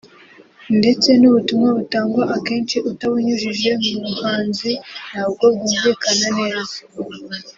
ndetse n’ubutumwa butangwa akenshi utabunyujije mu buhanzi ntabwo bwumvikana neza